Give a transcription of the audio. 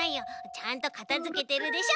ちゃんとかたづけてるでしょ。